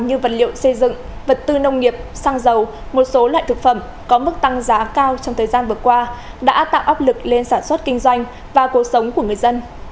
như vật liệu xây dựng vật tư nông nghiệp xăng dầu một số loại thực phẩm có mức tăng giá cao trong thời gian vừa qua đã tạo áp lực lên sản xuất kinh doanh và cuộc sống của người dân